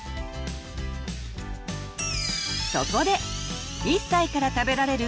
そこで「１歳から食べられる！